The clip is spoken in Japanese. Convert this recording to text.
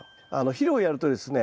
肥料をやるとですね